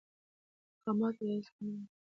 د مقاومت اراده هېڅکله نه ماتېږي.